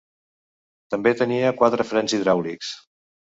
També tenia quatre frens hidràulics.